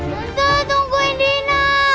tante tungguin dina